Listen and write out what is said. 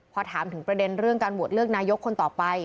พอถามถึงประเด็นเรื่องการโหวตเลือกนายกคนต่อไป